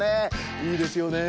いいですよねえ。